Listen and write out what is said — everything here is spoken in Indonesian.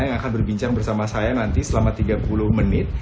yang akan berbincang bersama saya nanti selama tiga puluh menit